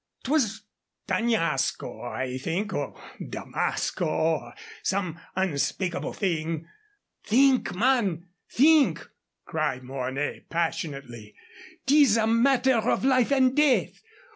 'Twas D'Añasco, I think, or Damasco, or some such unspeakable thing." "Think, man think!" cried Mornay, passionately. "'Tis a matter of life and death.